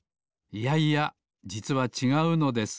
いやいやじつはちがうのです。